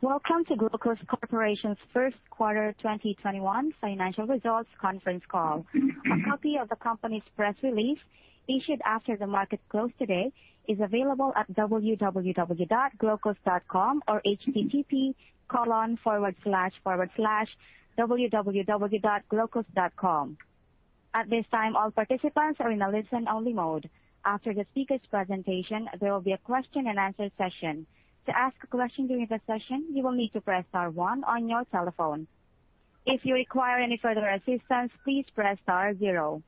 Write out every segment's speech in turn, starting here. Welcome to Glaukos Corporation's First Quarter 2021 Financial Results Conference Call. A copy of the company's press release, issued after the market close today, is available at www.glaukos.com or http://www.glaukos.com. At this time, all participants are in a listen-only mode. After the speakers' presentation, there will be a question and answer session. To ask a question during the session, you will need to press star one on your telephone. If you require any further assistance, please press star zero.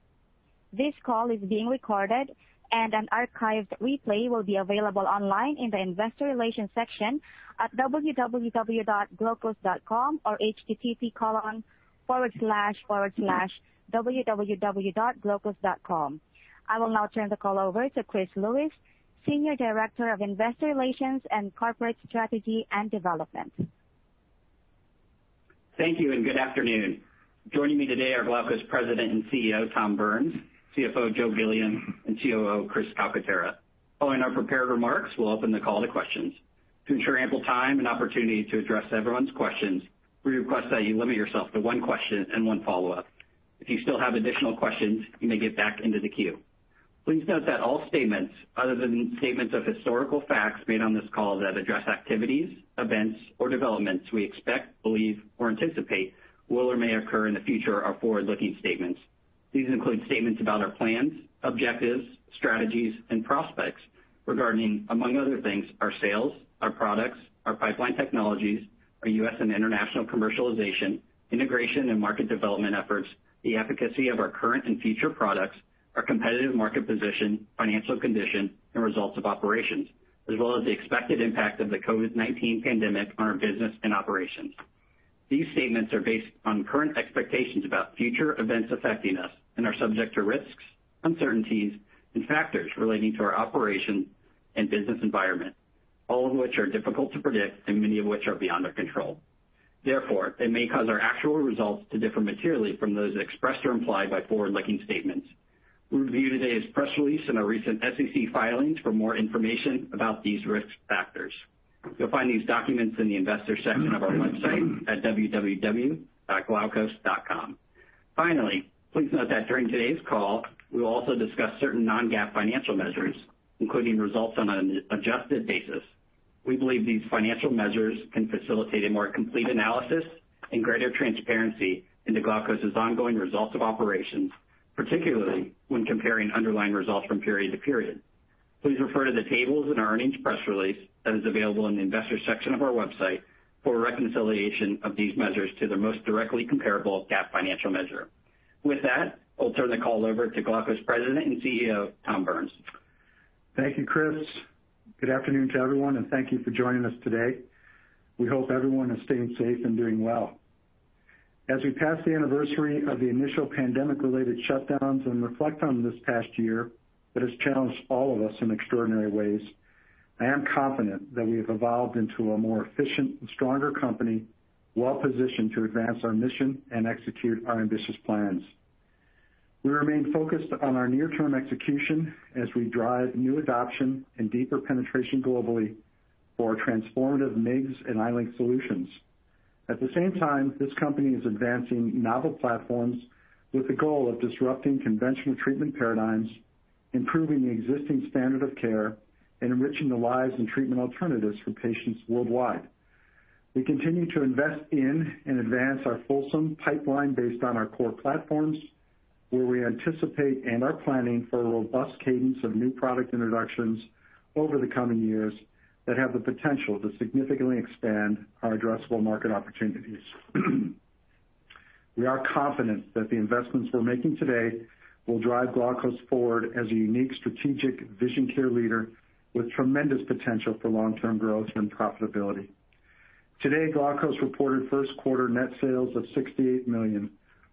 This call is being recorded, and an archived replay will be available online in the investor relations section at www.glaukos.com or http://www.glaukos.com. I will now turn the call over to Chris Lewis, Senior Director of Investor Relations and Corporate Strategy and Development. Thank you and good afternoon. Joining me today are Glaukos President and CEO, Tom Burns, CFO, Joe Gilliam, and COO, Chris Calcaterra. Following our prepared remarks, we'll open the call to questions. To ensure ample time and opportunity to address everyone's questions, we request that you limit yourself to one question and one follow-up. If you still have additional questions, you may get back into the queue. Please note that all statements other than statements of historical facts made on this call that address activities, events, or developments we expect, believe, or anticipate will or may occur in the future are forward-looking statements. These include statements about our plans, objectives, strategies, and prospects regarding, among other things, our sales, our products, our pipeline technologies, our U.S. and international commercialization, integration and market development efforts, the efficacy of our current and future products, our competitive market position, financial condition, and results of operations, as well as the expected impact of the COVID-19 pandemic on our business and operations. These statements are based on current expectations about future events affecting us and are subject to risks, uncertainties, and factors relating to our operation and business environment, all of which are difficult to predict and many of which are beyond our control. They may cause our actual results to differ materially from those expressed or implied by forward-looking statements. We review today's press release and our recent SEC filings for more information about these risk factors. You'll find these documents in the investor section of our website at www.glaukos.com. Finally, please note that during today's call, we will also discuss certain non-GAAP financial measures, including results on an adjusted basis. We believe these financial measures can facilitate a more complete analysis and greater transparency into Glaukos' ongoing results of operations, particularly when comparing underlying results from period to period. Please refer to the tables in our earnings press release that is available in the investor section of our website for a reconciliation of these measures to the most directly comparable GAAP financial measure. With that, I'll turn the call over to Glaukos President and CEO, Tom Burns. Thank you, Chris. Good afternoon to everyone, thank you for joining us today. We hope everyone is staying safe and doing well. As we pass the anniversary of the initial pandemic-related shutdowns and reflect on this past year that has challenged all of us in extraordinary ways, I am confident that we have evolved into a more efficient and stronger company, well-positioned to advance our mission and execute our ambitious plans. We remain focused on our near-term execution as we drive new adoption and deeper penetration globally for our transformative MIGS and iLink solutions. At the same time, this company is advancing novel platforms with the goal of disrupting conventional treatment paradigms, improving the existing standard of care, and enriching the lives and treatment alternatives for patients worldwide. We continue to invest in and advance our fulsome pipeline based on our core platforms, where we anticipate and are planning for a robust cadence of new product introductions over the coming years that have the potential to significantly expand our addressable market opportunities. We are confident that the investments we're making today will drive Glaukos forward as a unique strategic vision care leader with tremendous potential for long-term growth and profitability. Today, Glaukos reported first quarter net sales of $68 million,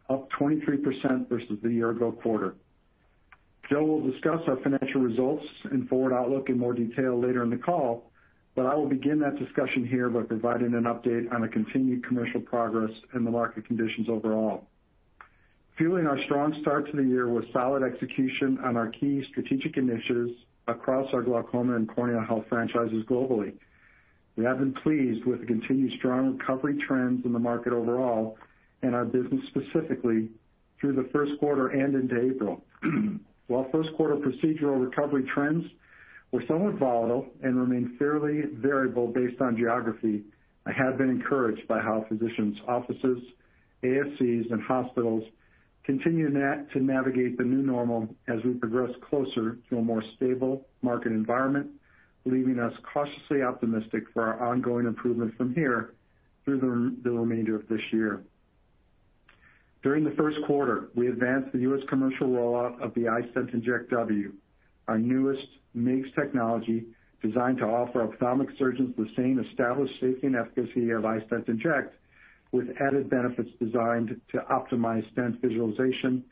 up 23% versus the year-ago quarter. Joe will discuss our financial results and forward outlook in more detail later in the call, but I will begin that discussion here by providing an update on the continued commercial progress and the market conditions overall. Fueling our strong start to the year was solid execution on our key strategic initiatives across our glaucoma and corneal health franchises globally. We have been pleased with the continued strong recovery trends in the market overall and our business specifically through the first quarter and into April. While first quarter procedural recovery trends were somewhat volatile and remain fairly variable based on geography, I have been encouraged by how physicians' offices, ASCs, and hospitals continue to navigate the new normal as we progress closer to a more stable market environment, leaving us cautiously optimistic for our ongoing improvement from here through the remainder of this year. During the first quarter, we advanced the U.S. commercial rollout of the iStent inject W, our newest MIGS technology designed to offer ophthalmic surgeons the same established safety and efficacy of iStent inject, with added benefits designed to optimize stent visualization,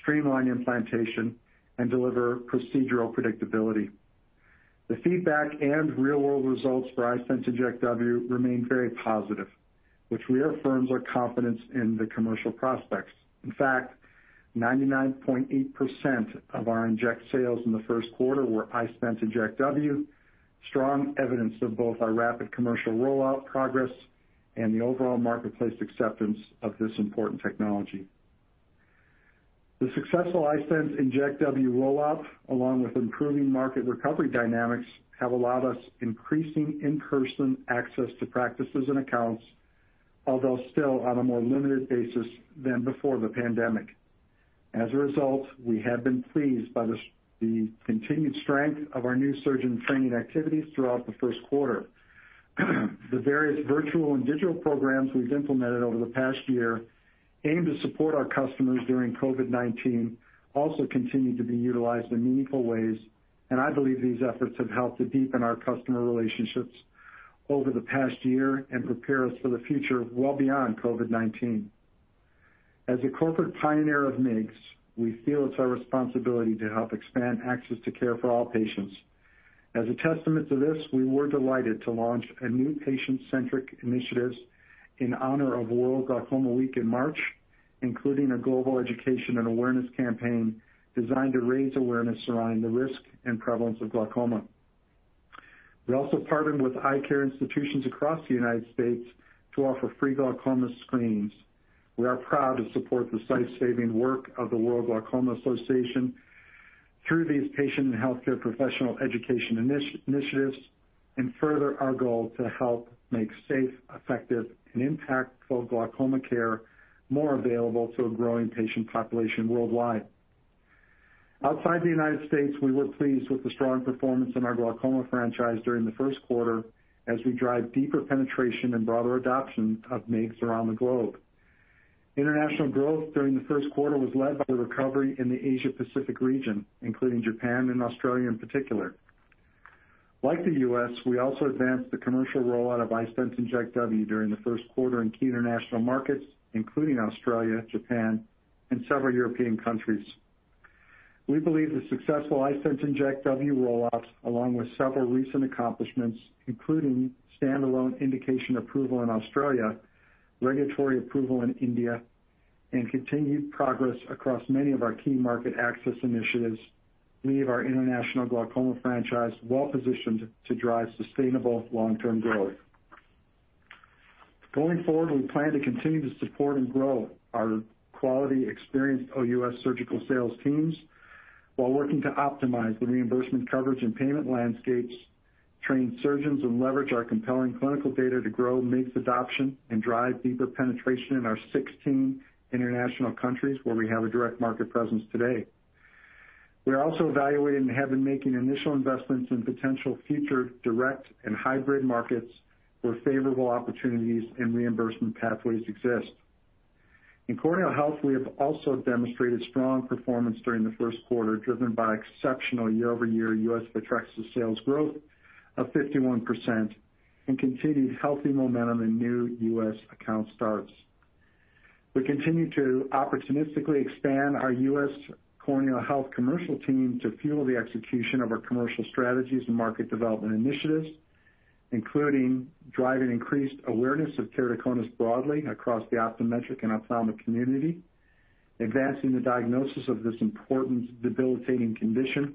streamline implantation, and deliver procedural predictability. The feedback and real-world results for iStent inject W remain very positive, which reaffirms our confidence in the commercial prospects. In fact, 99.8% of our inject sales in the first quarter were iStent inject W, strong evidence of both our rapid commercial rollout progress and the overall marketplace acceptance of this important technology. The successful iStent inject W rollout, along with improving market recovery dynamics, have allowed us increasing in-person access to practices and accounts, although still on a more limited basis than before the pandemic. We have been pleased by the continued strength of our new surgeon training activities throughout the first quarter. The various virtual and digital programs we've implemented over the past year aim to support our customers during COVID-19, also continue to be utilized in meaningful ways. I believe these efforts have helped to deepen our customer relationships over the past year and prepare us for the future well beyond COVID-19. As a corporate pioneer of MIGS, we feel it's our responsibility to help expand access to care for all patients. As a testament to this, we were delighted to launch a new patient-centric initiative in honor of World Glaucoma Week in March, including a global education and awareness campaign designed to raise awareness around the risk and prevalence of glaucoma. We also partnered with eye care institutions across the U.S. to offer free glaucoma screenings. We are proud to support the sight-saving work of the World Glaucoma Association through these patient and healthcare professional education initiatives, and further our goal to help make safe, effective, and impactful glaucoma care more available to a growing patient population worldwide. Outside the United States, we were pleased with the strong performance in our glaucoma franchise during the first quarter as we drive deeper penetration and broader adoption of MIGS around the globe. International growth during the first quarter was led by the recovery in the Asia-Pacific region, including Japan and Australia in particular. Like the U.S., we also advanced the commercial rollout of iStent inject W during the first quarter in key international markets, including Australia, Japan, and several European countries. We believe the successful iStent inject W rollout, along with several recent accomplishments, including standalone indication approval in Australia, regulatory approval in India, and continued progress across many of our key market access initiatives, leave our international glaucoma franchise well-positioned to drive sustainable long-term growth. Going forward, we plan to continue to support and grow our quality experienced OUS surgical sales teams while working to optimize the reimbursement coverage and payment landscapes, train surgeons, and leverage our compelling clinical data to grow MIGS adoption and drive deeper penetration in our 16 international countries where we have a direct market presence today. We are also evaluating and have been making initial investments in potential future direct and hybrid markets where favorable opportunities and reimbursement pathways exist. In corneal health, we have also demonstrated strong performance during the first quarter, driven by exceptional year-over-year U.S. Photrexa sales growth of 51% and continued healthy momentum in new U.S. account starts. We continue to opportunistically expand our U.S. corneal health commercial team to fuel the execution of our commercial strategies and market development initiatives, including driving increased awareness of keratoconus broadly across the optometric and ophthalmic community, advancing the diagnosis of this important debilitating condition,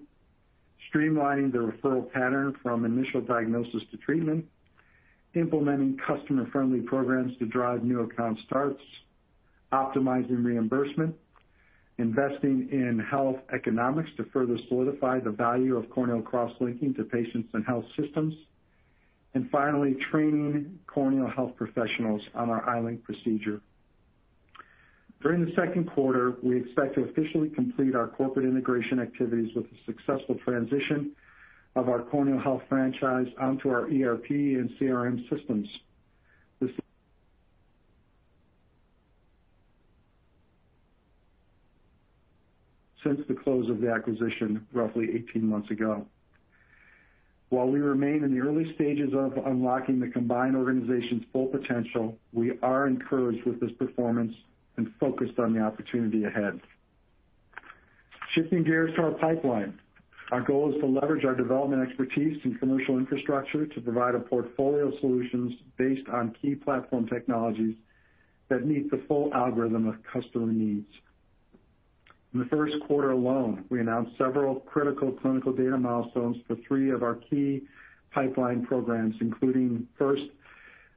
streamlining the referral pattern from initial diagnosis to treatment, implementing customer-friendly programs to drive new account starts, optimizing reimbursement, investing in health economics to further solidify the value of corneal cross-linking to patients and health systems, and finally, training corneal health professionals on our iLink procedure. During the second quarter, we expect to officially complete our corporate integration activities with the successful transition of our corneal health franchise onto our ERP and CRM systems. Since the close of the acquisition roughly 18 months ago. While we remain in the early stages of unlocking the combined organization's full potential, we are encouraged with this performance and focused on the opportunity ahead. Shifting gears to our pipeline. Our goal is to leverage our development expertise and commercial infrastructure to provide a portfolio of solutions based on key platform technologies that meet the full algorithm of customer needs. In the first quarter alone, we announced several critical clinical data milestones for three of our key pipeline programs, including, first,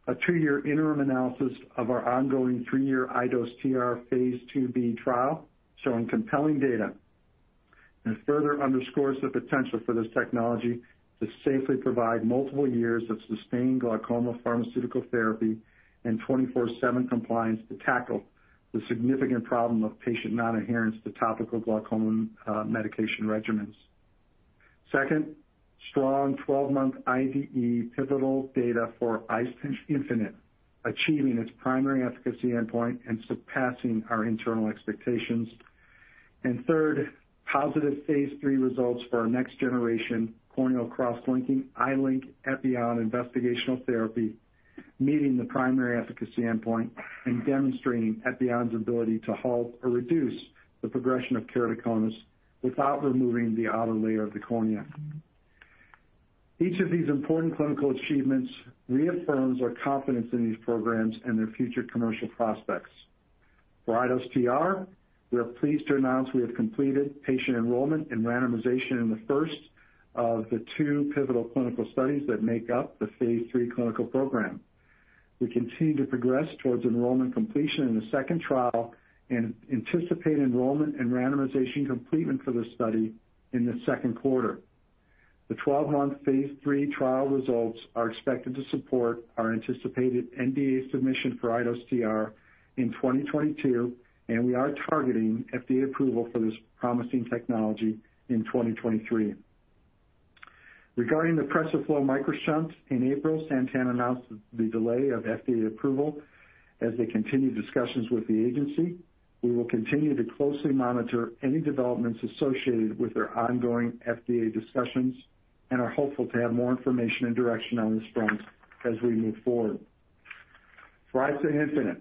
a two-year interim analysis of our ongoing three-year iDose TR phase II-B trial showing compelling data that further underscores the potential for this technology to safely provide multiple years of sustained glaucoma pharmaceutical therapy and 24/7 compliance to tackle the significant problem of patient non-adherence to topical glaucoma medication regimens. Second, strong 12-month IDE pivotal data for iStent infinite, achieving its primary efficacy endpoint and surpassing our internal expectations. Third, positive phase III results for our next generation corneal cross-linking iLink Epi-on investigational therapy, meeting the primary efficacy endpoint and demonstrating Epi-on's ability to halt or reduce the progression of keratoconus without removing the outer layer of the corneal. Each of these important clinical achievements reaffirms our confidence in these programs and their future commercial prospects. For iDose TR, we are pleased to announce we have completed patient enrollment and randomization in the first of the two pivotal clinical studies that make up the phase III clinical program. We continue to progress towards enrollment completion in the second trial and anticipate enrollment and randomization completion for this study in the second quarter. The 12-month phase III trial results are expected to support our anticipated NDA submission for iDose TR in 2022, and we are targeting FDA approval for this promising technology in 2023. Regarding the PRESERFLO MicroShunt, in April, Santen announced the delay of FDA approval as they continue discussions with the agency. We will continue to closely monitor any developments associated with their ongoing FDA discussions and are hopeful to have more information and direction on this front as we move forward. For iStent infinite,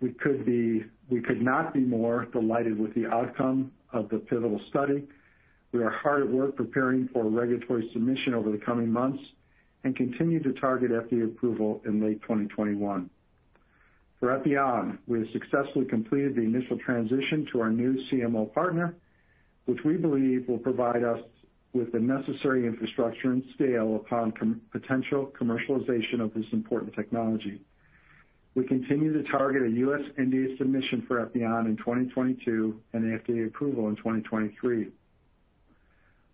we could not be more delighted with the outcome of the pivotal study. We are hard at work preparing for regulatory submission over the coming months and continue to target FDA approval in late 2021. For Epi-on, we have successfully completed the initial transition to our new CMO partner, which we believe will provide us with the necessary infrastructure and scale upon potential commercialization of this important technology. We continue to target a U.S. NDA submission for Epioxa in 2022 and FDA approval in 2023.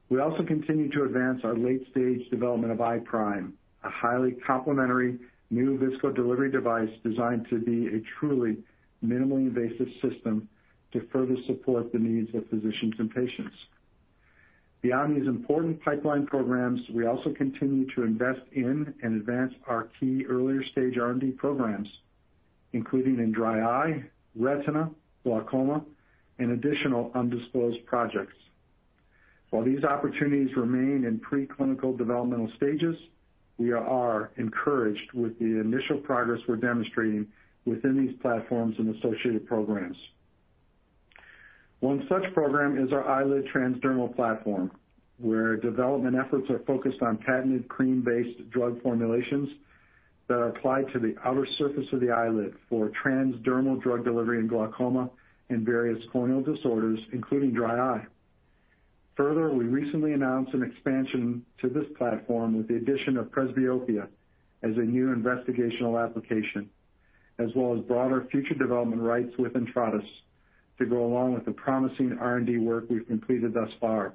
We also continue to advance our late-stage development of iPRIME, a highly complementary new viscodelivery device designed to be a truly minimally invasive system to further support the needs of physicians and patients. Beyond these important pipeline programs, we also continue to invest in and advance our key earlier-stage R&D programs, including in dry eye, retina, glaucoma, and additional undisclosed projects. While these opportunities remain in preclinical developmental stages, we are encouraged with the initial progress we're demonstrating within these platforms and associated programs. One such program is our eyelid transdermal platform, where development efforts are focused on patented cream-based drug formulations that are applied to the outer surface of the eyelid for transdermal drug delivery in glaucoma and various corneal disorders, including dry eye. Further, we recently announced an expansion to this platform with the addition of presbyopia as a new investigational application, as well as broader future development rights with Intratus to go along with the promising R&D work we've completed thus far.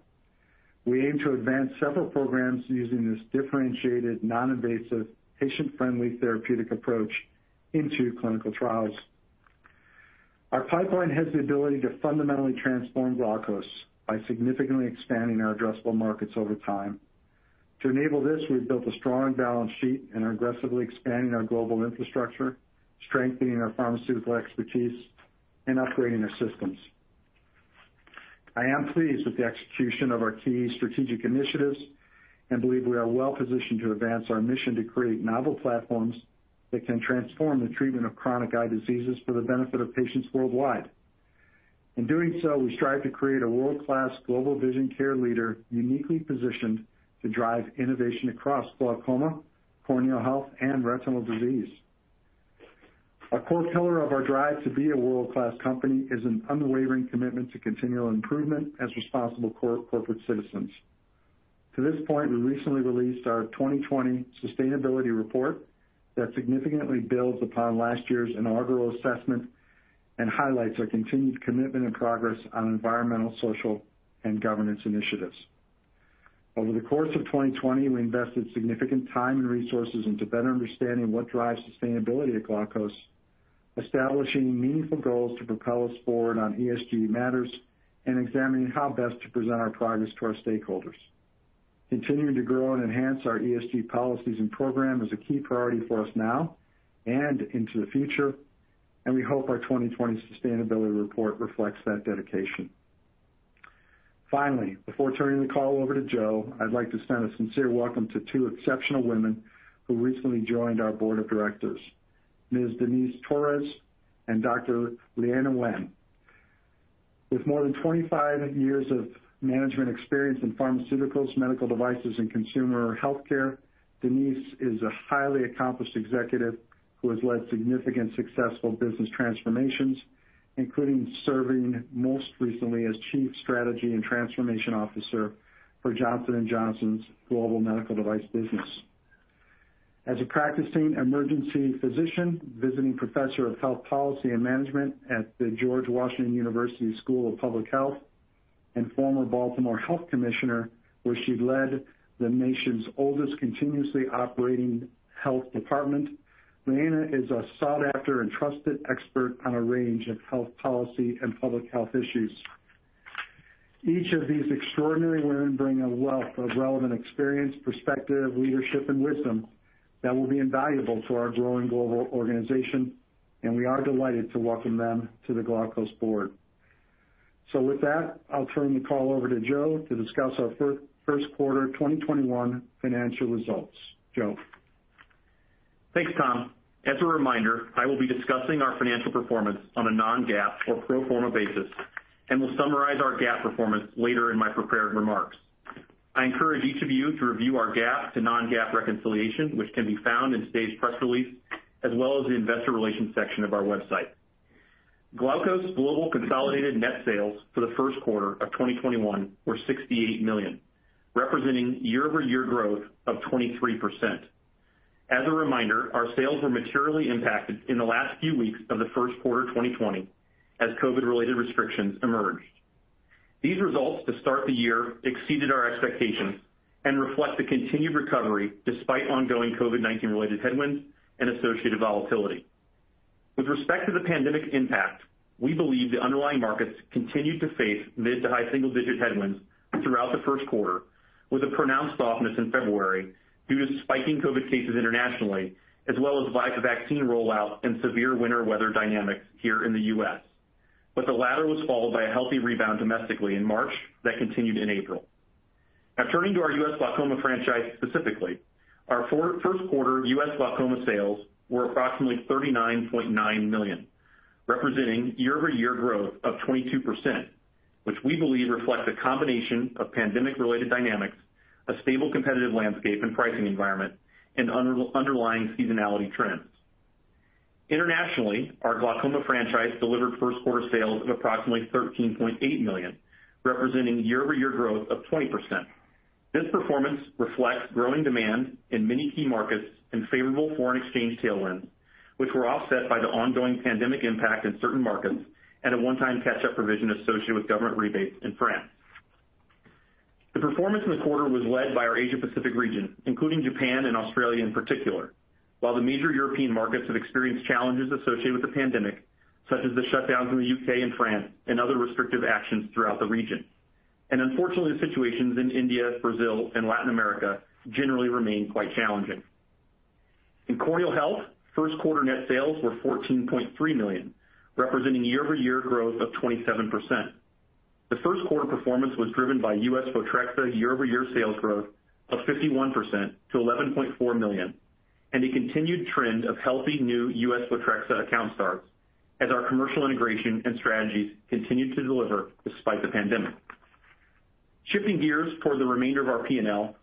We aim to advance several programs using this differentiated, non-invasive, patient-friendly therapeutic approach into clinical trials. Our pipeline has the ability to fundamentally transform Glaukos by significantly expanding our addressable markets over time. To enable this, we've built a strong balance sheet and are aggressively expanding our global infrastructure, strengthening our pharmaceutical expertise, and upgrading our systems. I am pleased with the execution of our key strategic initiatives and believe we are well positioned to advance our mission to create novel platforms that can transform the treatment of chronic eye diseases for the benefit of patients worldwide. In doing so, we strive to create a world-class global vision care leader uniquely positioned to drive innovation across glaucoma, corneal health, and retinal disease. A core pillar of our drive to be a world-class company is an unwavering commitment to continual improvement as responsible corporate citizens. To this point, we recently released our 2020 sustainability report that significantly builds upon last year's inaugural assessment and highlights our continued commitment and progress on environmental, social, and governance initiatives. Over the course of 2020, we invested significant time and resources into better understanding what drives sustainability at Glaukos, establishing meaningful goals to propel us forward on ESG matters, and examining how best to present our progress to our stakeholders. Continuing to grow and enhance our ESG policies and program is a key priority for us now and into the future, and we hope our 2020 sustainability report reflects that dedication. Finally, before turning the call over to Joe, I'd like to extend a sincere welcome to two exceptional women who recently joined our board of directors, Ms. Denice Torres and Dr. Leana Wen. With more than 25 years of management experience in pharmaceuticals, medical devices, and consumer healthcare, Denice is a highly accomplished executive who has led significant successful business transformations, including serving most recently as Chief Strategy and Transformation Officer for Johnson & Johnson's global medical device business. As a practicing emergency physician, visiting professor of health policy and management at the George Washington University School of Public Health, and former Baltimore Health Commissioner, where she led the nation's oldest continuously operating health department, Leana is a sought-after and trusted expert on a range of health policy and public health issues. Each of these extraordinary women bring a wealth of relevant experience, perspective, leadership, and wisdom that will be invaluable to our growing global organization, and we are delighted to welcome them to the Glaukos board. With that, I'll turn the call over to Joe to discuss our first quarter 2021 financial results. Joe? Thanks, Tom. As a reminder, I will be discussing our financial performance on a non-GAAP or pro forma basis, and will summarize our GAAP performance later in my prepared remarks. I encourage each of you to review our GAAP to non-GAAP reconciliation, which can be found in today's press release, as well as the investor relations section of our website. Glaukos global consolidated net sales for the first quarter of 2021 were $68 million, representing year-over-year growth of 23%. As a reminder, our sales were materially impacted in the last few weeks of the first quarter 2020 as COVID-related restrictions emerged. These results to start the year exceeded our expectations and reflect the continued recovery despite ongoing COVID-19 related headwinds and associated volatility. With respect to the pandemic impact, we believe the underlying markets continued to face mid to high single digit headwinds throughout the first quarter, with a pronounced softness in February due to spiking COVID cases internationally, as well as [via] vaccine rollout and severe winter weather dynamics here in the U.S. The latter was followed by a healthy rebound domestically in March that continued in April. Turning to our U.S. glaucoma franchise specifically, our first quarter U.S. glaucoma sales were approximately $39.9 million, representing year-over-year growth of 22%, which we believe reflects a combination of pandemic-related dynamics, a stable competitive landscape and pricing environment, and underlying seasonality trends. Internationally, our glaucoma franchise delivered first quarter sales of approximately $13.8 million, representing year-over-year growth of 20%. This performance reflects growing demand in many key markets and favorable foreign exchange tailwinds, which were offset by the ongoing pandemic impact in certain markets, and a one-time catch-up provision associated with government rebates in France. The performance in the quarter was led by our Asia Pacific region, including Japan and Australia in particular, while the major European markets have experienced challenges associated with the pandemic, such as the shutdowns in the U.K. and France and other restrictive actions throughout the region. Unfortunately, the situations in India, Brazil, and Latin America generally remain quite challenging. In corneal health, first quarter net sales were $14.3 million, representing year-over-year growth of 27%. The first quarter performance was driven by U.S. Photrexa year-over-year sales growth of 51% to $11.4 million, and a continued trend of healthy new U.S. Photrexa account starts as our commercial integration and strategies continued to deliver despite the pandemic. Shifting gears for the remainder of our P&L,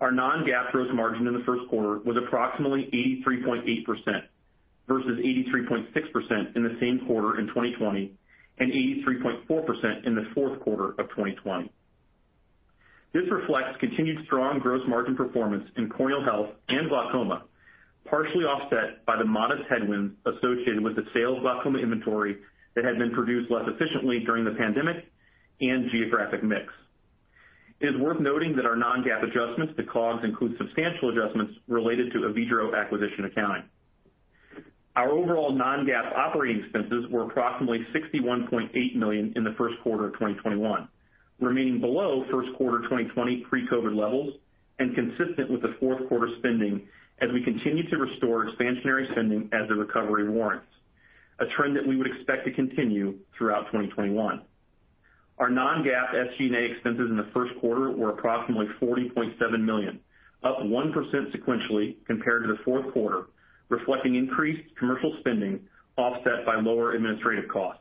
our non-GAAP gross margin in the first quarter was approximately 83.8% versus 83.6% in the same quarter in 2020 and 83.4% in the fourth quarter of 2020. This reflects continued strong gross margin performance in corneal health and glaucoma, partially offset by the modest headwinds associated with the sale of glaucoma inventory that had been produced less efficiently during the pandemic and geographic mix. It is worth noting that our non-GAAP adjustments to COGS include substantial adjustments related to Avedro acquisition accounting. Our overall non-GAAP operating expenses were approximately $61.8 million in the first quarter of 2021, remaining below first quarter 2020 pre-COVID levels and consistent with the fourth quarter spending as we continue to restore expansionary spending as the recovery warrants, a trend that we would expect to continue throughout 2021. Our non-GAAP SG&A expenses in the first quarter were approximately $40.7 million, up 1% sequentially compared to the fourth quarter, reflecting increased commercial spending offset by lower administrative costs.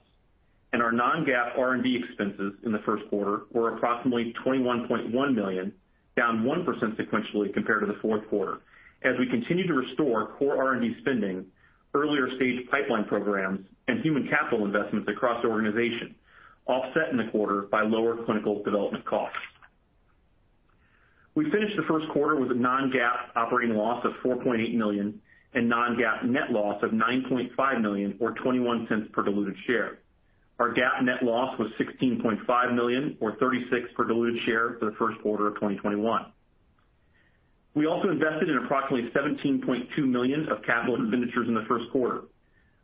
Our non-GAAP R&D expenses in the first quarter were approximately $21.1 million, down 1% sequentially compared to the fourth quarter as we continue to restore core R&D spending, earlier stage pipeline programs, and human capital investments across the organization, offset in the quarter by lower clinical development costs. We finished the first quarter with a non-GAAP operating loss of $4.8 million and non-GAAP net loss of $9.5 million or $0.21 per diluted share. Our GAAP net loss was $16.5 million or $0.36 per diluted share for the first quarter of 2021. We also invested in approximately $17.2 million of capital expenditures in the first quarter,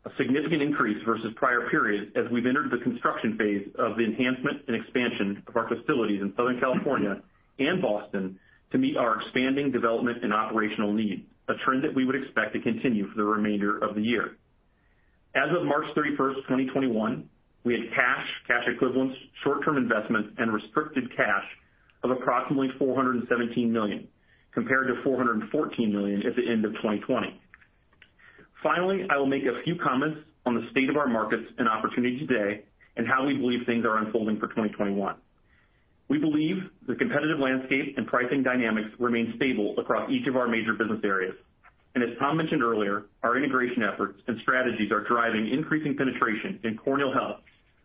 a significant increase versus prior periods as we've entered the construction phase of the enhancement and expansion of our facilities in Southern California and Boston to meet our expanding development and operational needs, a trend that we would expect to continue for the remainder of the year. As of March 31st, 2021, we had cash equivalents, short-term investments, and restricted cash of approximately $417 million, compared to $414 million at the end of 2020. Finally, I will make a few comments on the state of our markets and opportunities today and how we believe things are unfolding for 2021. We believe the competitive landscape and pricing dynamics remain stable across each of our major business areas. As Tom mentioned earlier, our integration efforts and strategies are driving increasing penetration in corneal health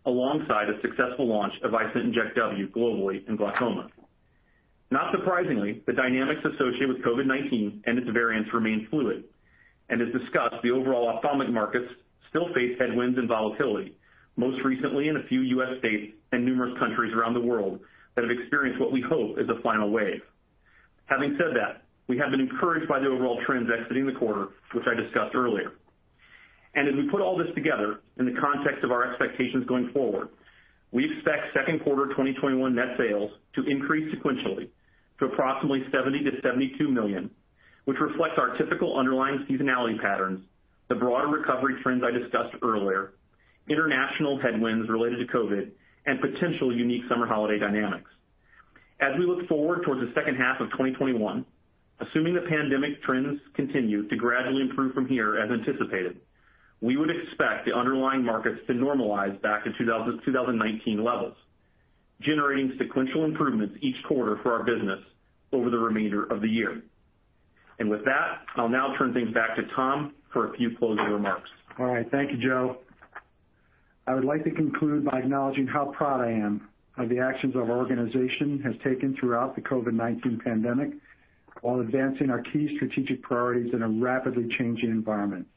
alongside a successful launch of iStent inject W globally in glaucoma. Not surprisingly, the dynamics associated with COVID-19 and its variants remain fluid. As discussed, the overall ophthalmic markets still face headwinds and volatility, most recently in a few U.S. states and numerous countries around the world that have experienced what we hope is a final wave. Having said that, we have been encouraged by the overall trends exiting the quarter, which I discussed earlier. As we put all this together in the context of our expectations going forward, we expect second quarter 2021 net sales to increase sequentially to approximately $70 million-$72 million, which reflects our typical underlying seasonality patterns, the broader recovery trends I discussed earlier, international headwinds related to COVID, and potential unique summer holiday dynamics. As we look forward towards the second half of 2021, assuming the pandemic trends continue to gradually improve from here as anticipated, we would expect the underlying markets to normalize back to 2019 levels, generating sequential improvements each quarter for our business over the remainder of the year. With that, I'll now turn things back to Tom for a few closing remarks. All right. Thank you, Joe. I would like to conclude by acknowledging how proud I am of the actions our organization has taken throughout the COVID-19 pandemic, while advancing our key strategic priorities in a rapidly changing environment.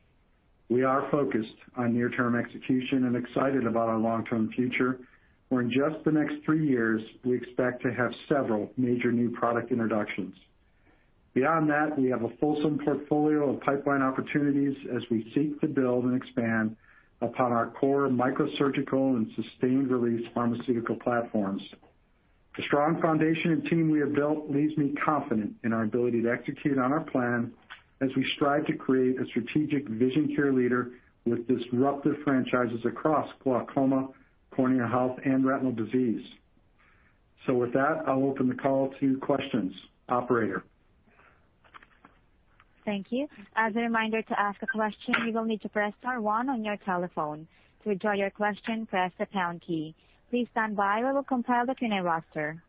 We are focused on near-term execution and excited about our long-term future, where in just the next three years, we expect to have several major new product introductions. Beyond that, we have a fulsome portfolio of pipeline opportunities as we seek to build and expand upon our core microsurgical and sustained release pharmaceutical platforms. The strong foundation and team we have built leaves me confident in our ability to execute on our plan as we strive to create a strategic vision care leader with disruptive franchises across glaucoma, corneal health, and retinal disease. With that, I'll open the call to questions. Operator. Thank you. As a reminder to ask a question, you will need to press star one on your telephone. To withdraw your question, press the pound key. Please stand by while we will compile the Q&A roster.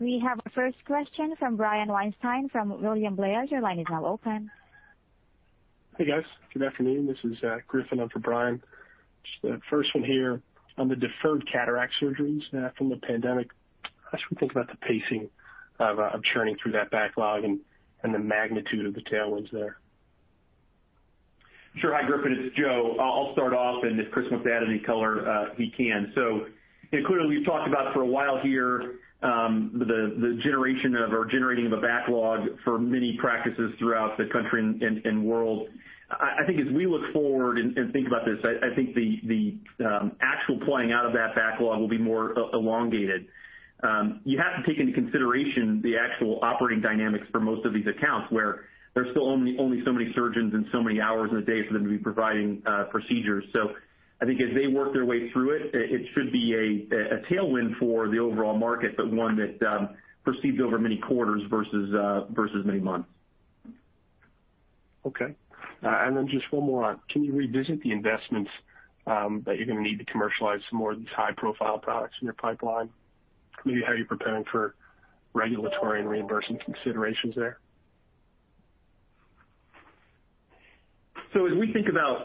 We have our first question from Brian Weinstein from William Blair. Your line is now open. Hey, guys. Good afternoon. This is Griffin in for Brian. Just the first one here on the deferred cataract surgeries from the pandemic. How should we think about the pacing of churning through that backlog and the magnitude of the tailwinds there? Sure. Hi, Griffin, it's Joe. I'll start off and if Chris wants to add any color, he can. Including we've talked about for a while here, the generating of a backlog for many practices throughout the country and world. I think as we look forward and think about this, I think the actual playing out of that backlog will be more elongated. You have to take into consideration the actual operating dynamics for most of these accounts, where there's still only so many surgeons and so many hours in the day for them to be providing procedures. I think as they work their way through it should be a tailwind for the overall market, but one that proceeds over many quarters versus many months. Okay. Just one more. Can you revisit the investments that you're going to need to commercialize some more of these high-profile products in your pipeline? Maybe how you're preparing for regulatory and reimbursement considerations there. As we think about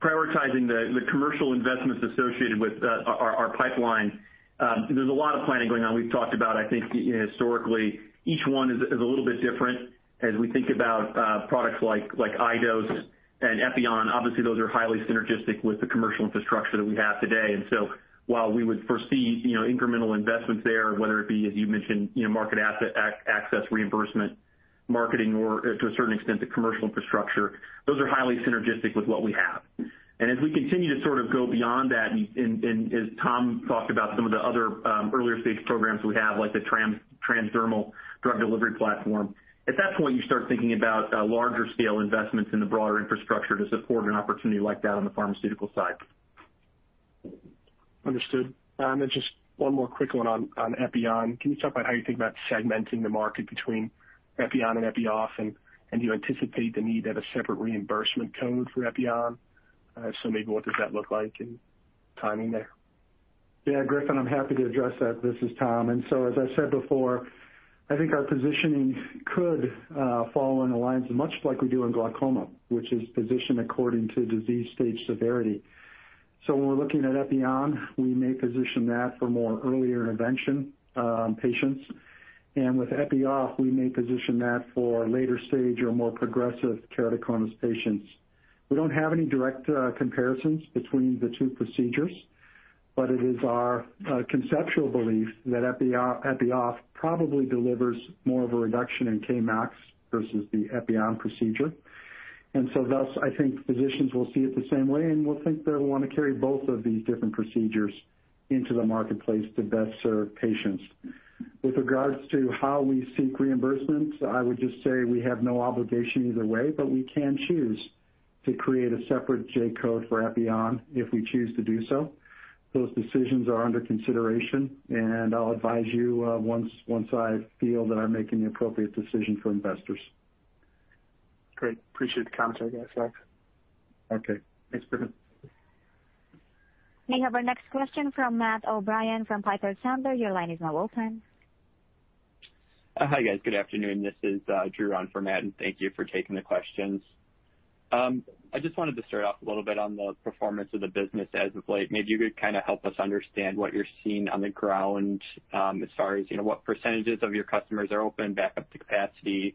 prioritizing the commercial investments associated with our pipeline, there's a lot of planning going on. We've talked about, I think historically, each one is a little bit different as we think about products like iDose and Epi-on. Obviously, those are highly synergistic with the commercial infrastructure that we have today. While we would foresee incremental investments there, whether it be, as you mentioned, market access, reimbursement, marketing, or to a certain extent, the commercial infrastructure, those are highly synergistic with what we have. As we continue to sort of go beyond that, and as Tom talked about, some of the other earlier stage programs we have, like the transdermal drug delivery platform. At that point, you start thinking about larger scale investments in the broader infrastructure to support an opportunity like that on the pharmaceutical side. Understood. Just one more quick one on Epi-on. Can you talk about how you think about segmenting the market between Epi-on and Epi-off, and do you anticipate the need to have a separate reimbursement code for Epi-on? Maybe what does that look like and timing there? Yeah, Griffin, I'm happy to address that. This is Tom. As I said before, I think our positioning could fall along the lines much like we do in glaucoma, which is positioned according to disease stage severity. When we're looking at Epi-on, we may position that for more earlier intervention patients. With Epi-off, we may position that for later stage or more progressive keratoconus patients. We don't have any direct comparisons between the two procedures, but it is our conceptual belief that Epi-off probably delivers more of a reduction in Kmax versus the Epi-on procedure. Thus, I think physicians will see it the same way and will think they'll want to carry both of these different procedures into the marketplace to best serve patients. With regards to how we seek reimbursement, I would just say we have no obligation either way, we can choose to create a separate J code for Epi-on if we choose to do so. Those decisions are under consideration. I'll advise you once I feel that I'm making the appropriate decision for investors. Great. Appreciate the commentary, guys. Thanks. Okay. Thanks, Griffin. We have our next question from Matt O'Brien from Piper Sandler. Your line is now open. Hi, guys. Good afternoon. This is Drew on for Matt. Thank you for taking the questions. I just wanted to start off a little bit on the performance of the business as of late. Maybe you could kind of help us understand what you're seeing on the ground as far as what percentage of your customers are open back up to capacity,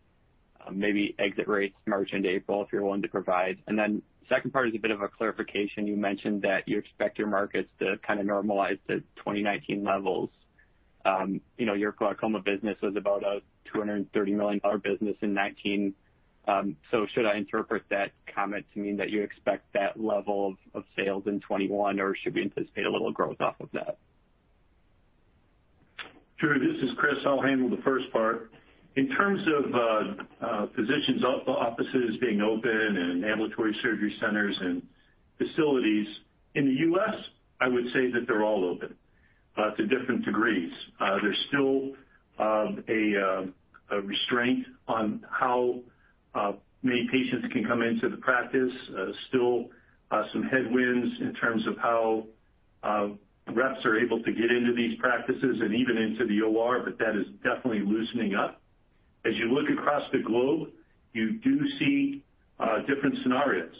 maybe exit rates March and April, if you're willing to provide. Then second part is a bit of a clarification. You mentioned that you expect your markets to kind of normalize to 2019 levels. Your glaucoma business was about a $230 million business in 2019. Should I interpret that comment to mean that you expect that level of sales in 2021, or should we anticipate a little growth off of that? Drew, this is Chris. I'll handle the first part. In terms of physicians' offices being open and ambulatory surgery centers and facilities, in the U.S., I would say that they're all open to different degrees. There's still a restraint on how many patients can come into the practice. Still some headwinds in terms of how reps are able to get into these practices and even into the OR, but that is definitely loosening up. As you look across the globe, you do see different scenarios.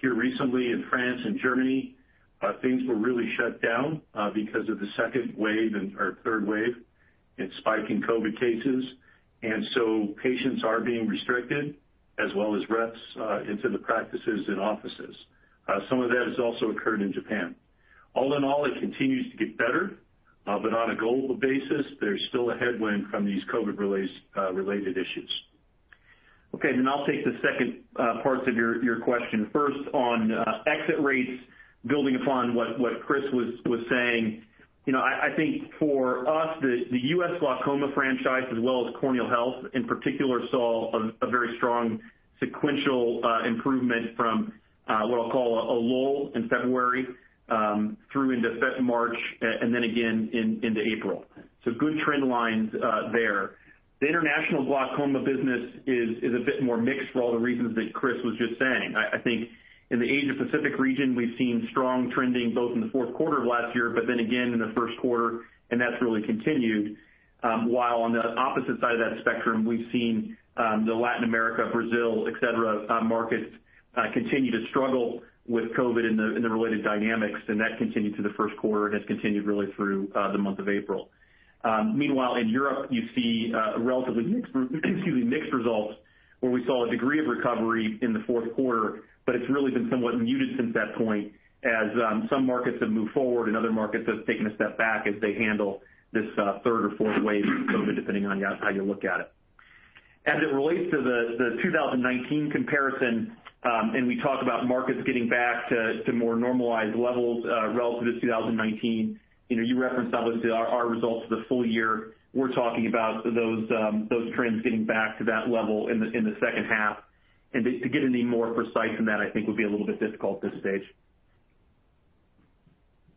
Here recently in France and Germany, things were really shut down because of the second wave or third wave in spiking COVID cases. Patients are being restricted as well as reps into the practices and offices. Some of that has also occurred in Japan. All in all, it continues to get better. On a global basis, there's still a headwind from these COVID-related issues. Okay. I'll take the second part of your question. First, on exit rates, building upon what Chris was saying. I think for us, the U.S. glaucoma franchise as well as corneal health in particular, saw a very strong sequential improvement from what I'll call a lull in February, through into March, and then again into April. Good trend lines there. The international glaucoma business is a bit more mixed for all the reasons that Chris was just saying. I think in the Asia Pacific region, we've seen strong trending both in the fourth quarter of last year, but then again in the first quarter, and that's really continued. While on the opposite side of that spectrum, we've seen the Latin America, Brazil, et cetera, markets continue to struggle with COVID and the related dynamics. That continued through the first quarter and has continued really through the month of April. Meanwhile, in Europe, you see relatively mixed results where we saw a degree of recovery in the fourth quarter, but it's really been somewhat muted since that point as some markets have moved forward and other markets have taken a step back as they handle this third or fourth wave of COVID, depending on how you look at it. As it relates to the 2019 comparison, and we talk about markets getting back to more normalized levels relative to 2019. You referenced obviously our results for the full year. We're talking about those trends getting back to that level in the second half. To get any more precise than that, I think, would be a little bit difficult at this stage.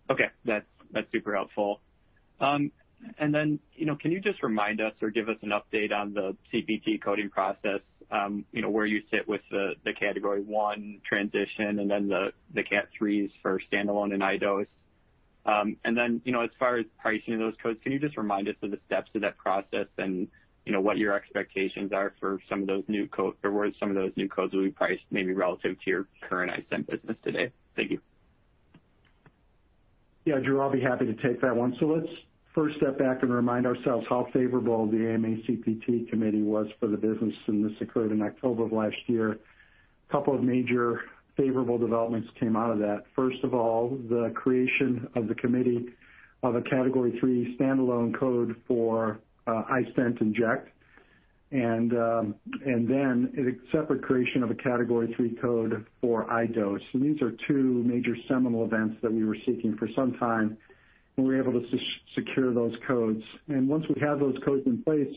Okay. That's super helpful. Can you just remind us or give us an update on the CPT coding process, where you sit with the Category I transition and then the Category IIIs for standalone and iDose? As far as pricing of those codes, can you just remind us of the steps to that process and what your expectations are for where some of those new codes will be priced, maybe relative to your current iStent business today? Thank you. Yeah. Drew, I'll be happy to take that one. Let's first step back and remind ourselves how favorable the AMA CPT committee was for the business, and this occurred in October of last year. A couple of major favorable developments came out of that. First of all, the creation of the committee of a Category III standalone code for iStent inject, and then a separate creation of a Category III code for iDose. These are two major seminal events that we were seeking for some time, and we were able to secure those codes. Once we have those codes in place,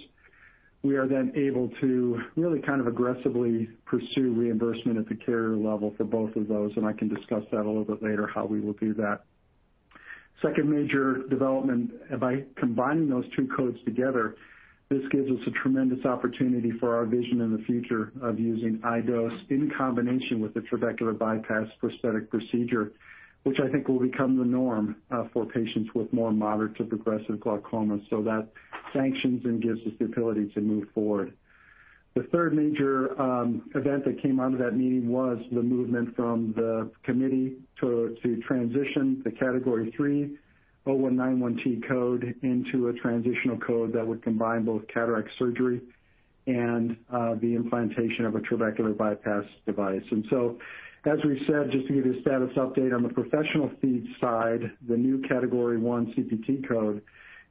we are then able to really kind of aggressively pursue reimbursement at the carrier level for both of those, and I can discuss that a little bit later how we will do that. Second major development. By combining those two codes together, this gives us a tremendous opportunity for our vision in the future of using iDose in combination with the trabecular bypass prosthetic procedure, which I think will become the norm for patients with more moderate to progressive glaucoma. That sanctions and gives us the ability to move forward. The third major event that came out of that meeting was the movement from the committee to transition the Category III 0191T code into a transitional code that would combine both cataract surgery and the implantation of a trabecular bypass device. As we said, just to give you a status update on the professional fees side, the new Category I CPT code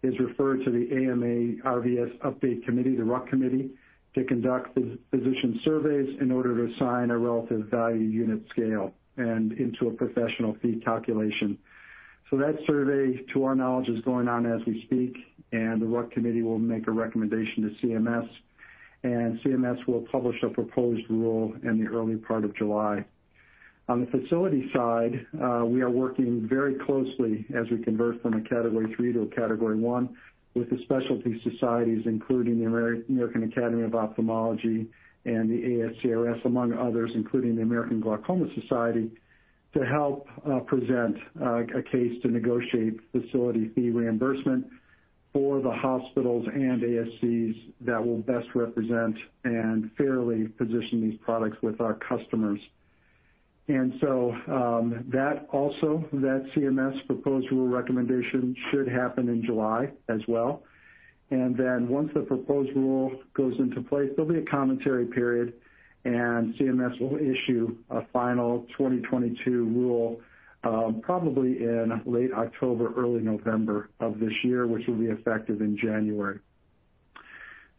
is referred to the AMA RVS update committee, the RUC committee, to conduct physician surveys in order to assign a relative value unit scale and into a professional fee calculation. That survey, to our knowledge, is going on as we speak, the RUC committee will make a recommendation to CMS, and CMS will publish a proposed rule in the early part of July. On the facility side, we are working very closely as we convert from a Category III to a Category I with the specialty societies, including the American Academy of Ophthalmology and the ASCRS, among others, including the American Glaucoma Society, to help present a case to negotiate facility fee reimbursement for the hospitals and ASCs that will best represent and fairly position these products with our customers. That CMS proposed rule recommendation should happen in July as well. Once the proposed rule goes into place, there'll be a commentary period, and CMS will issue a final 2022 rule probably in late October, early November of this year, which will be effective in January.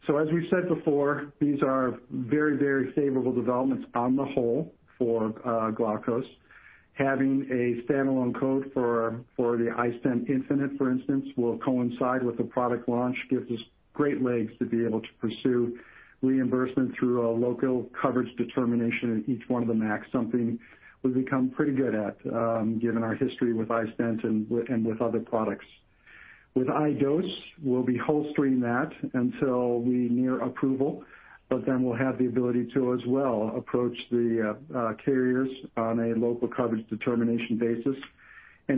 As we've said before, these are very, very favorable developments on the whole for Glaukos. Having a standalone code for the iStent infinite, for instance, will coincide with the product launch, gives us great legs to be able to pursue reimbursement through a local coverage determination in each one of the MACs, something we've become pretty good at given our history with iStent and with other products. With iDose, we'll be holstering that until we near approval, we'll have the ability to as well approach the carriers on a local coverage determination basis.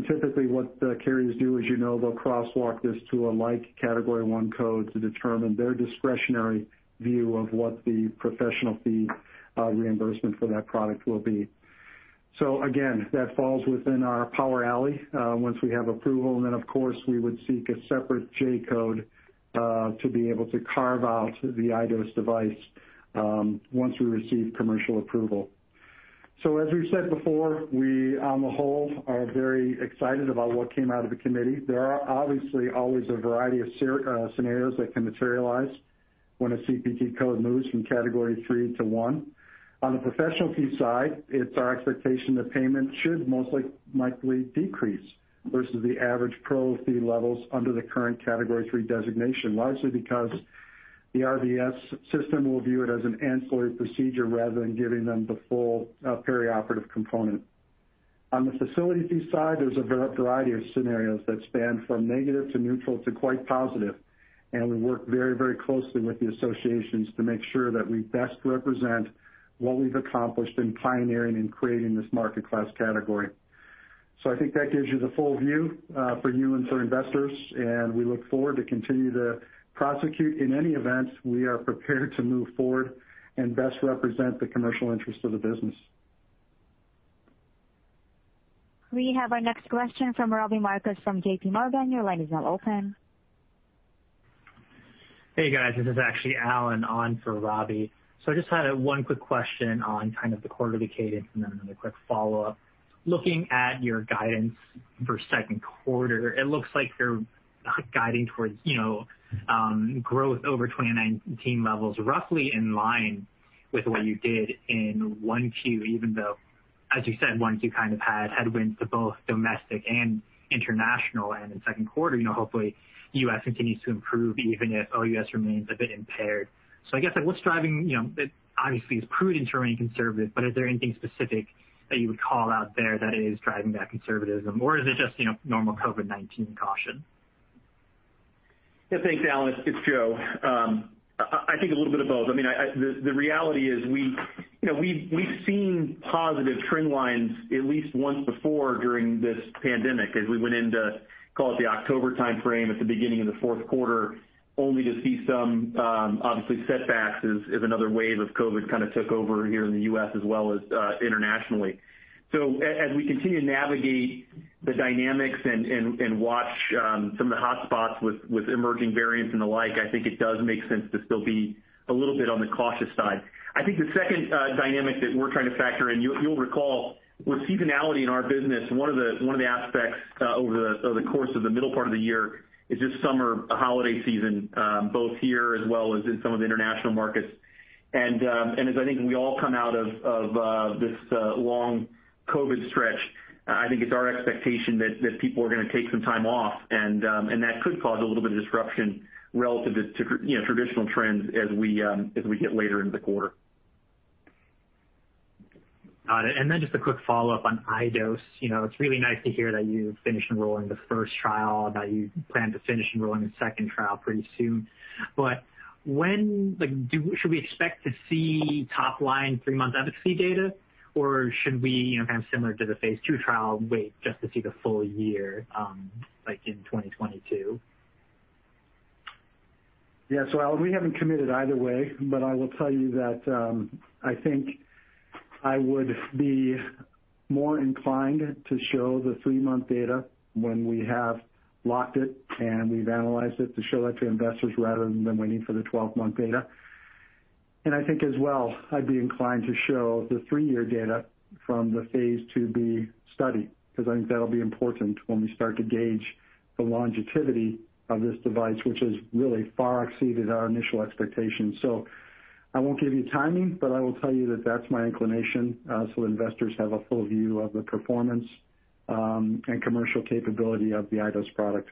Typically what the carriers do, as you know, they'll crosswalk this to a like Category I code to determine their discretionary view of what the professional fee reimbursement for that product will be. Again, that falls within our power alley once we have approval, and then, of course, we would seek a separate J code to be able to carve out the iDose device once we receive commercial approval. As we've said before, we on the whole are very excited about what came out of the committee. There are obviously always a variety of scenarios that can materialize when a CPT code moves from Category III to I. On the professional fee side, it's our expectation that payment should most likely decrease versus the average pro fee levels under the current Category III designation, largely because the RBRVS system will view it as an ancillary procedure rather than giving them the full perioperative component. On the facility fee side, there's a variety of scenarios that span from negative to neutral to quite positive, and we work very, very closely with the associations to make sure that we best represent what we've accomplished in pioneering and creating this market class Category. I think that gives you the full view for you and for investors, and we look forward to continue to prosecute. In any event, we are prepared to move forward and best represent the commercial interest of the business. We have our next question from Robbie Marcus from JPMorgan. Hey, guys. This is actually [Allen] on for Robbie. I just had one quick question on kind of the quarterly cadence and then another quick follow-up. Looking at your guidance for second quarter, it looks like you're guiding towards growth over 2019 levels, roughly in line with what you did in 1Q, even though, as you said, 1Q kind of had headwinds to both domestic and international. In second quarter, hopefully U.S. continues to improve, even if OUS remains a bit impaired. I guess obviously it's prudent to remain conservative, but is there anything specific that you would call out there that is driving that conservatism? Is it just normal COVID-19 caution? Yeah. Thanks, [Allen]. It's Joe. I think a little bit of both. I mean, the reality is we've seen positive trend lines at least once before during this pandemic as we went into, call it the October timeframe at the beginning of the fourth quarter, only to see some obviously setbacks as another wave of COVID kind of took over here in the U.S. as well as internationally. As we continue to navigate the dynamics and watch some of the hotspots with emerging variants and the like, I think it does make sense to still be a little bit on the cautious side. I think the second dynamic that we're trying to factor in, you'll recall with seasonality in our business, one of the aspects over the course of the middle part of the year is this summer holiday season both here as well as in some of the international markets. As I think we all come out of this long COVID stretch, I think it's our expectation that people are going to take some time off, and that could cause a little bit of disruption relative to traditional trends as we get later into the quarter. Got it. Just a quick follow-up on iDose. It's really nice to hear that you've finished enrolling the first trial and that you plan to finish enrolling the second trial pretty soon. Should we expect to see top line three-month efficacy data or should we, kind of similar to the phase II trial, wait just to see the full year in 2022? Yeah. [Allen], we haven't committed either way, but I will tell you that I think I would be more inclined to show the three-month data when we have locked it and we've analyzed it to show that to investors rather than waiting for the 12-month data. I think as well, I'd be inclined to show the three-year data from the phase II-B study because I think that'll be important when we start to gauge the longevity of this device, which has really far exceeded our initial expectations. I won't give you timing, but I will tell you that that's my inclination so investors have a full view of the performance and commercial capability of the iDose product.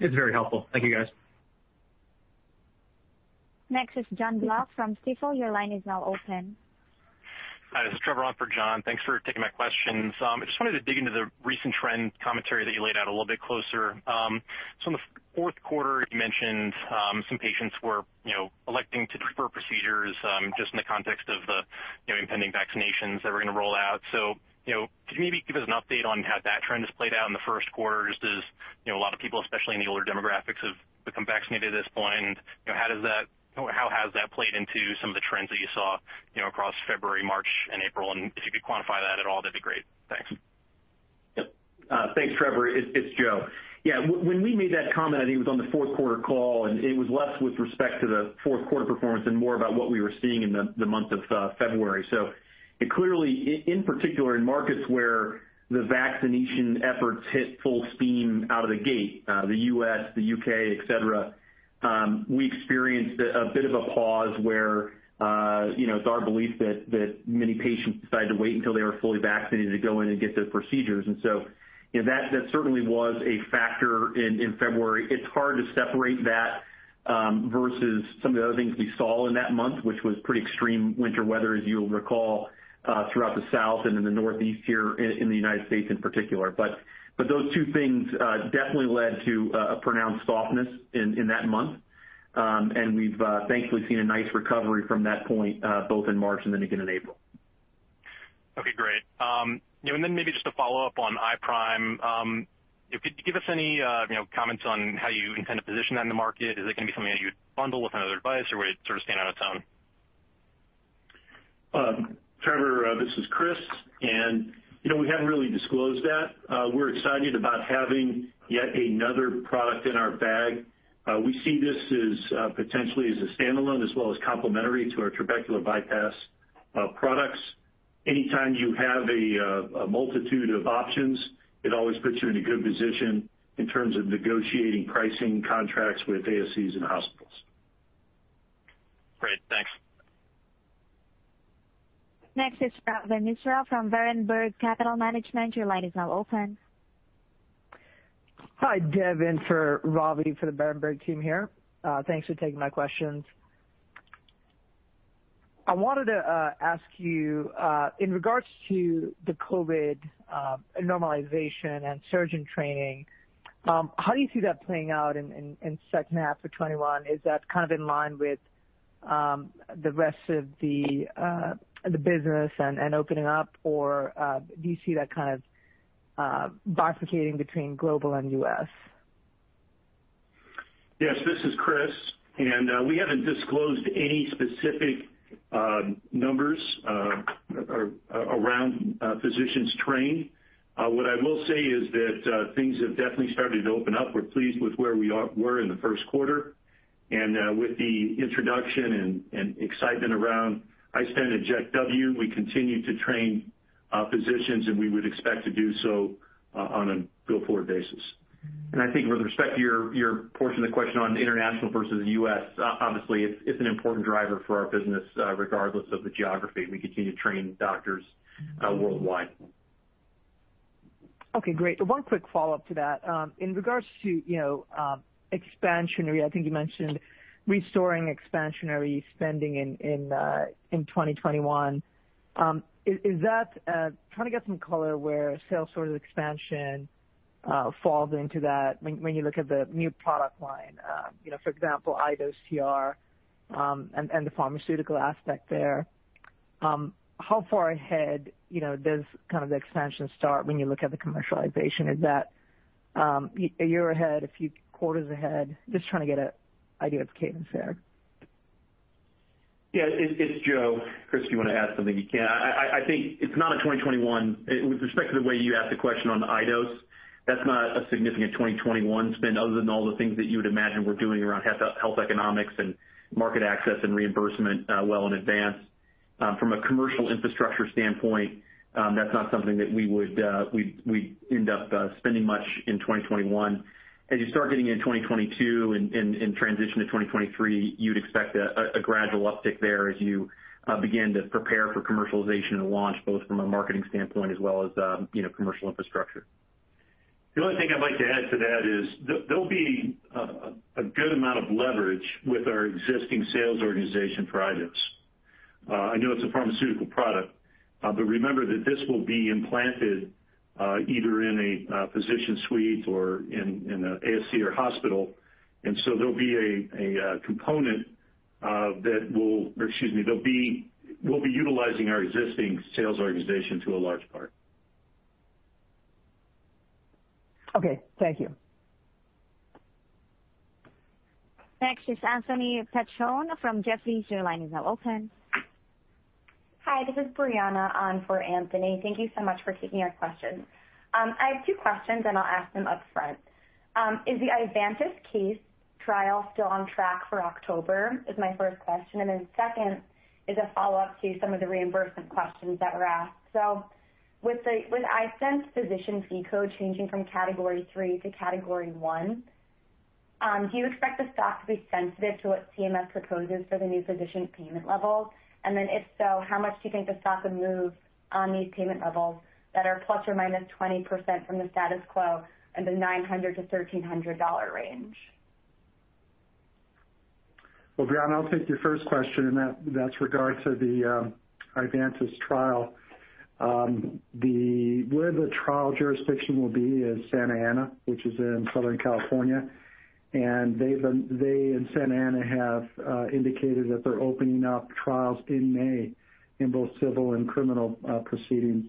It's very helpful. Thank you, guys. Next is Jon Block from Stifel. Your line is now open. Hi, this is Trevor on for John. Thanks for taking my questions. I just wanted to dig into the recent trend commentary that you laid out a little bit closer. In the fourth quarter, you mentioned some patients were electing to defer procedures just in the context of the impending vaccinations that were going to roll out. Could you maybe give us an update on how that trend has played out in the first quarter as a lot of people, especially in the older demographics, have become vaccinated at this point? How has that played into some of the trends that you saw across February, March, and April? If you could quantify that at all, that'd be great. Thanks, Trevor. It's Joe. When we made that comment, I think it was on the fourth quarter call, and it was less with respect to the fourth quarter performance and more about what we were seeing in the month of February. Clearly, in particular in markets where the vaccination efforts hit full steam out of the gate, the U.S., the U.K., et cetera, we experienced a bit of a pause where it's our belief that many patients decided to wait until they were fully vaccinated to go in and get their procedures. That certainly was a factor in February. It's hard to separate that, versus some of the other things we saw in that month, which was pretty extreme winter weather, as you'll recall, throughout the South and in the Northeast here in the United States in particular. Those two things definitely led to a pronounced softness in that month. We've thankfully seen a nice recovery from that point, both in March and then again in April. Okay, great. Maybe just a follow-up on iPRIME. Could you give us any comments on how you intend to position that in the market? Is it going to be something that you would bundle with another device, or would it sort of stand on its own? Trevor, this is Chris, we haven't really disclosed that. We're excited about having yet another product in our bag. We see this as potentially as a standalone as well as complementary to our trabecular bypass products. Anytime you have a multitude of options, it always puts you in a good position in terms of negotiating pricing contracts with ASCs and hospitals. Great. Thanks. Next is Ravi Misra from Berenberg Capital Markets. Your line is now open. Hi, [Dev] in for Ravi for the Berenberg team here. Thanks for taking my questions. I wanted to ask you, in regards to the COVID normalization and surgeon training, how do you see that playing out in second half of 2021? Is that kind of in line with the rest of the business and opening up, or do you see that kind of bifurcating between global and U.S.? Yes, this is Chris. We haven't disclosed any specific numbers around physicians trained. What I will say is that things have definitely started to open up. We're pleased with where we were in the first quarter. With the introduction and excitement around iStent inject W, we continue to train physicians, and we would expect to do so on a go-forward basis. I think with respect to your portion of the question on international versus U.S., obviously it's an important driver for our business, regardless of the geography. We continue to train doctors worldwide. Okay, great. One quick follow-up to that. In regards to expansionary, I think you mentioned restoring expansionary spending in 2021. I'm trying to get some color where sales sort of expansion falls into that when you look at the new product line. For example, iDose TR, and the pharmaceutical aspect there. How far ahead does kind of the expansion start when you look at the commercialization? Is that a year ahead? A few quarters ahead? Just trying to get an idea of the cadence there. Yeah. It's Joe. Chris, if you want to add something, you can. With respect to the way you asked the question on the iDose, that's not a significant 2021 spend other than all the things that you would imagine we're doing around health economics and market access and reimbursement well in advance. From a commercial infrastructure standpoint, that's not something that we'd end up spending much in 2021. As you start getting into 2022 and transition to 2023, you'd expect a gradual uptick there as you begin to prepare for commercialization and launch, both from a marketing standpoint as well as commercial infrastructure. The only thing I'd like to add to that is there'll be a good amount of leverage with our existing sales organization [projects]. I know it's a pharmaceutical product, but remember that this will be implanted either in a physician suite or in an ASC or hospital. We'll be utilizing our existing sales organization to a large part. Okay. Thank you. Next is Anthony Petrone from Jefferies. Your line is now open. Hi, this is Brianna on for Anthony. Thank you so much for taking our questions. I have two questions, and I'll ask them upfront. Is the Ivantis case trial still on track for October? Is my first question, and then second is a follow-up to some of the reimbursement questions that were asked. With iStent's physician fee code changing from Category III to Category I, do you expect the stock to be sensitive to what CMS proposes for the new physician payment levels? If so, how much do you think the stock would move on these payment levels that are ±20% from the status quo and the $900-$1,300 range? Well, Brianna, I'll take your first question, and that's in regard to the Ivantis trial. Where the trial jurisdiction will be is Santa Ana, which is in Southern California. They in Santa Ana have indicated that they're opening up trials in May in both civil and criminal proceedings.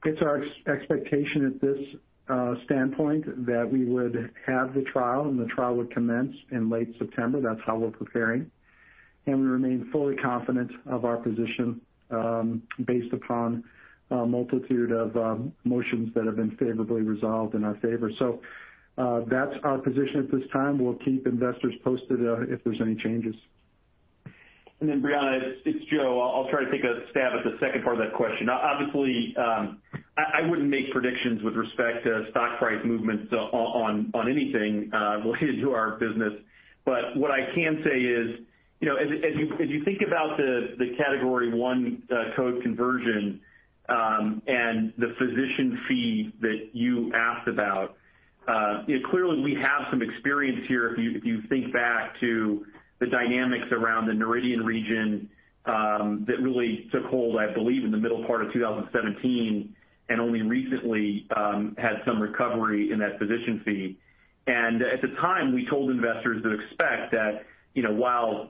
It's our expectation at this standpoint that we would have the trial, and the trial would commence in late September. That's how we're preparing. We remain fully confident of our position based upon a multitude of motions that have been favorably resolved in our favor. That's our position at this time. We'll keep investors posted if there's any changes. Brianna, it's Joe. I'll try to take a stab at the second part of that question. Obviously, I wouldn't make predictions with respect to stock price movements on anything related to our business. What I can say is, as you think about the Category I code conversion, and the physician fee that you asked about, clearly we have some experience here. If you think back to the dynamics around the Noridian region that really took hold, I believe, in the middle part of 2017 and only recently had some recovery in that physician fee. At the time, we told investors to expect that while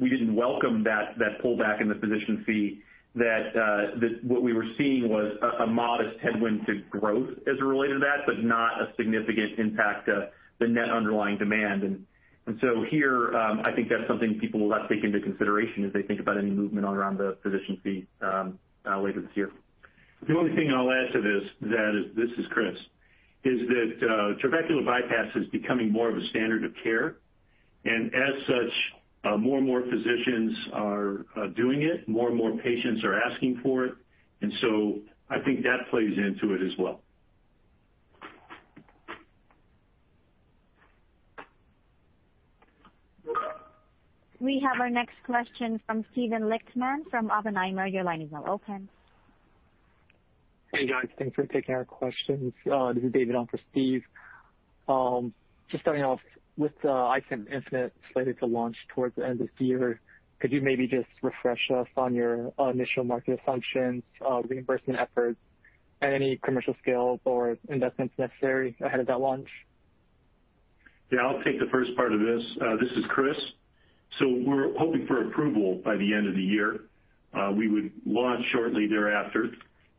we didn't welcome that pullback in the physician fee, that what we were seeing was a modest headwind to growth as it related to that, but not a significant impact to the net underlying demand. Here, I think that's something people will have to take into consideration as they think about any movement around the physician fee later this year. The only thing I'll add to this is Chris, is that trabecular bypass is becoming more of a standard of care. As such, more and more physicians are doing it, more and more patients are asking for it. I think that plays into it as well. We have our next question from Steven Lichtman from Oppenheimer. Your line is now open. Hey, guys. Thanks for taking our questions. This is David on for Steve. Just starting off with the iStent Infinite slated to launch towards the end of the year, could you maybe just refresh us on your initial market assumptions, reimbursement efforts, and any commercial skills or investments necessary ahead of that launch? Yeah, I'll take the first part of this. This is Chris. We're hoping for approval by the end of the year. We would launch shortly thereafter.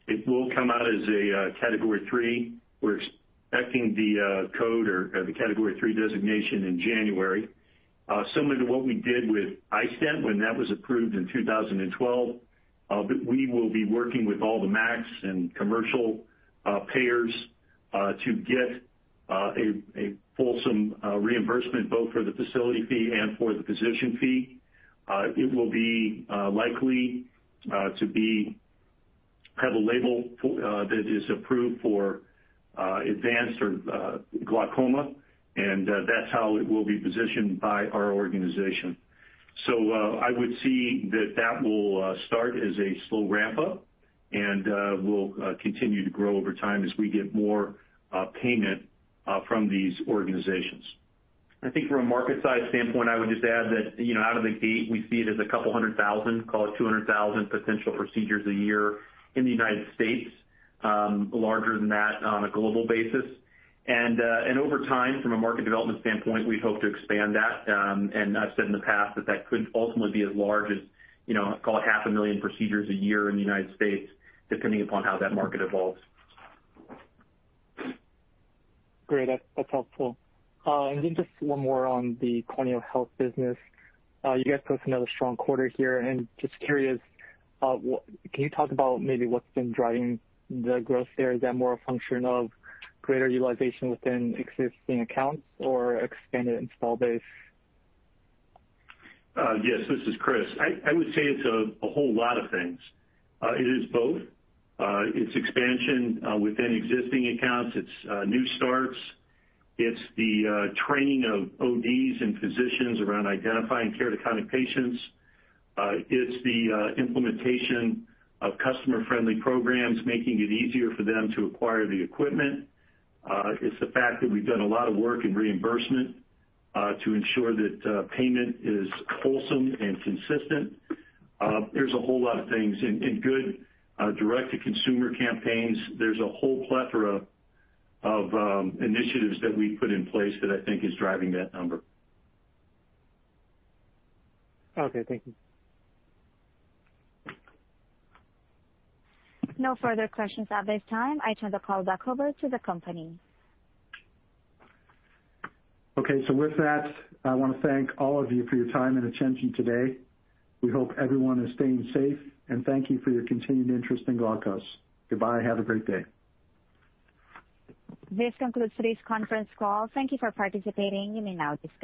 It will come out as a Category III. We're expecting the code or the Category III designation in January. Similar to what we did with iStent when that was approved in 2012, we will be working with all the MACs and commercial payers to get a fulsome reimbursement both for the facility fee and for the physician fee. It will be likely to have a label that is approved for advanced or glaucoma, and that's how it will be positioned by our organization. I would see that that will start as a slow ramp-up and will continue to grow over time as we get more payment from these organizations. I think from a market size standpoint, I would just add that, out of the gate, we see it as a couple hundred thousand, call it 200,000 potential procedures a year in the United States, larger than that on a global basis. Over time, from a market development standpoint, we hope to expand that. I've said in the past that could ultimately be as large as 500,000 procedures a year in the United States, depending upon how that market evolves. Great. That's helpful. Just one more on the corneal health business. You guys posted another strong quarter here, and just curious, can you talk about maybe what's been driving the growth there? Is that more a function of greater utilization within existing accounts or expanded install base? Yes. This is Chris. I would say it's a whole lot of things. It is both. It's expansion within existing accounts. It's new starts. It's the training of ODs and physicians around identifying keratoconic patients. It's the implementation of customer-friendly programs, making it easier for them to acquire the equipment. It's the fact that we've done a lot of work in reimbursement to ensure that payment is fulsome and consistent. There's a whole lot of things. And good direct-to-consumer campaigns. There's a whole plethora of initiatives that we've put in place that I think is driving that number. Okay. Thank you. No further questions at this time. I turn the call back over to the company. Okay, with that, I want to thank all of you for your time and attention today. We hope everyone is staying safe, and thank you for your continued interest in Glaukos. Goodbye. Have a great day. This concludes today's conference call. Thank you for participating. You may now disconnect.